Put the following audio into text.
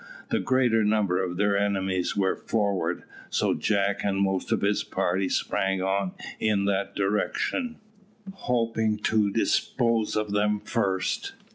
The greater number of their enemies were forward, so Jack and most of his party sprang on in that direction, hoping to dispose of them first.